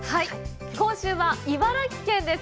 今週は茨城県です。